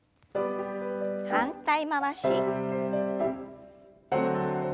反対回し。